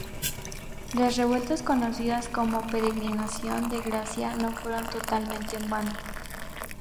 Las revueltas conocidas como peregrinación de gracia no fueron totalmente en vano.